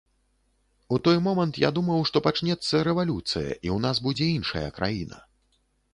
У той момант я думаў, што пачнецца рэвалюцыя і ў нас будзе іншая краіна.